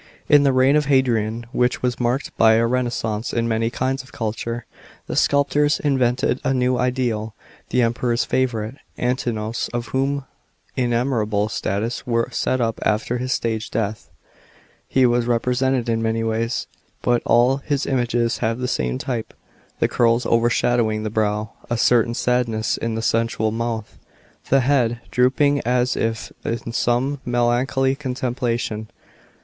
In the reign of Hadrian, which was marked by a renaissance in many kinds of culture, the sculptors invented a new ideal — the Emperor's favourite, Antiuous, of whom innumerable statues were set up flfter his strange death. Be was represented in many ways, but all his images have the same type — the curls overshadowing the brow, a certain sadness in the sensual mouth, the head drooping as if in some melancholy contemplation.